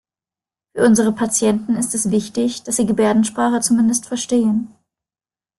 Für unsere Patienten ist es wichtig, dass Sie Gebärdensprache zumindest verstehen.